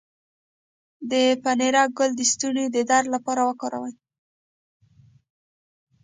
د پنیرک ګل د ستوني د درد لپاره وکاروئ